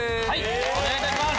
お願いいたします。